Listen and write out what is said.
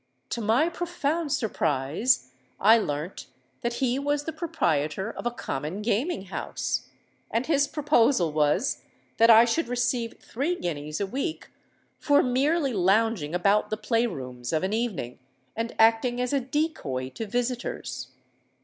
To my profound surprise I learnt that he was the proprietor of a common gaming house; and his proposal was that I should receive three guineas a week for merely lounging about the play rooms of an evening, and acting as a decoy to visitors.